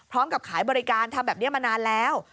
พร้อมกับขายบริการทำแบบนี้มานานแล้ว